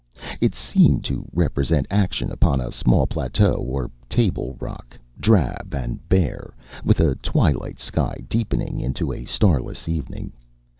It seemed to represent action upon a small plateau or table rock, drab and bare, with a twilight sky deepening into a starless evening.